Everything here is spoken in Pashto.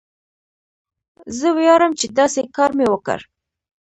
زه ویاړم چې داسې کار مې وکړ.